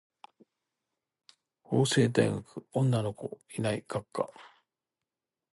法政大学女の子いない学科